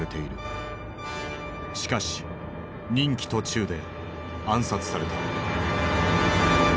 しかし任期途中で暗殺された。